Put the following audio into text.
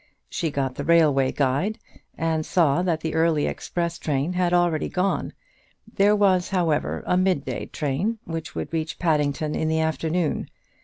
She got the railway guide, and saw that the early express train had already gone. There was, however, a mid day train which would reach Paddington in the afternoon.